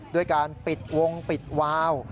ด้วยการปิดวงปิดวาว